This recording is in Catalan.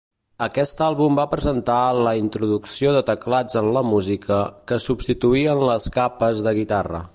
Aquest àlbum va presentar la introducció de teclats en la música, que substituïen les capes de guitarra.